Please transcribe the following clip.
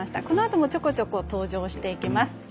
このあとも、ちょこちょこ登場していきます。